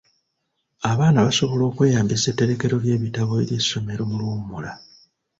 Abaana basobola okweyambisa etterekero ly'ebitabo ery'essomero mu luwummula.